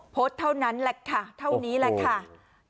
โพสต์เท่านั้นแหละค่ะเท่านี้แหละค่ะโอ้โห